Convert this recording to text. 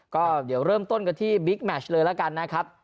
ก็เดี๋ยวเริ่มต้นกันที่บิ๊กแมชเลยแล้วกันนะครับ